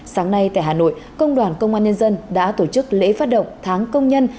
sáng nay tại hà nội công đoàn công an nhân dân đã tổ chức lễ phát động tháng công nhân